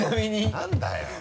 何だよ。